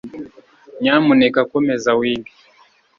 Nyamuneka komeza wige